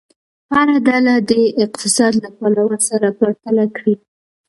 هره ډله دې اقتصاد له پلوه سره پرتله کړي.